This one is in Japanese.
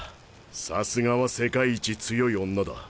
さすがは世界一強い女だ。